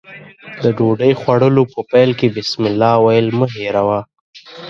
د ډوډۍ خوړلو په پیل کې بسمالله ويل مه هېروه.